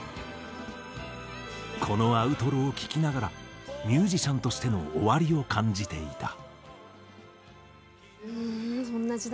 このアウトロを聴きながらミュージシャンとしての終わりを感じていた。